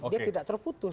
dia tidak terputus